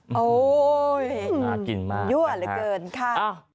น่ากินมากนะครับค่ะอ้าวยั่วเหลือเกินค่ะ